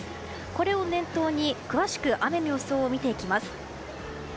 これを念頭に詳しく雨の予想を見ていきます。